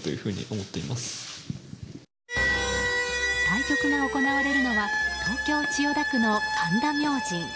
対局が行われるのは東京・千代田区の神田明神。